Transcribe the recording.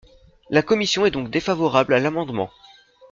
La commission est donc défavorable à l’amendement.